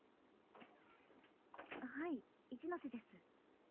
・はい一ノ瀬です。